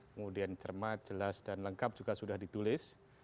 kemudian cermat jelas dan lengkap juga sudah ditulis